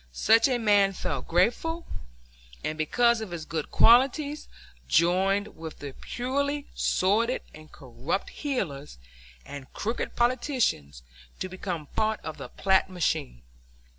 Such a man felt grateful, and, because of his good qualities, joined with the purely sordid and corrupt heelers and crooked politicians to become part of the Platt machine.